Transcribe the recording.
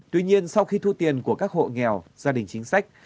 tuy nhiên sau khi thu tiền của các hộ nghèo gia đình chính sách